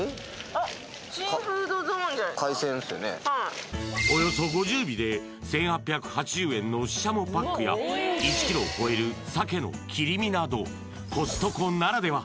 あっおよそ５０尾で１８８０円のししゃもパックや１ｋｇを超える鮭の切り身などコストコならでは！